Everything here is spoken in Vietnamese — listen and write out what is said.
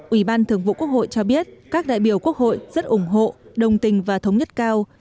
ủy ban thường vụ quốc hội cho biết các đại biểu quốc hội rất ủng hộ đồng tình và thống nhất cao